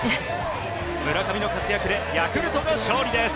村上の活躍でヤクルトが勝利です。